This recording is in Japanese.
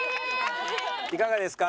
いかがですか？